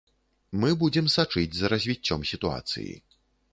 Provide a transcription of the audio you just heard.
Мы будзем сачыць за развіццём сітуацыі.